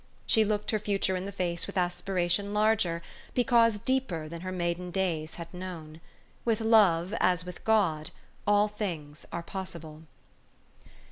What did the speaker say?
She looked her future in the face with aspiration larger, because deeper than her maiden days had known. With love as with God, all things are possible.